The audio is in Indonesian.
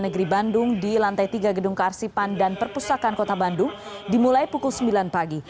negeri bandung di lantai tiga gedung kearsipan dan perpustakaan kota bandung dimulai pukul sembilan pagi